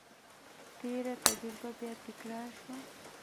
تېره تجربه بیا تکرار شوه.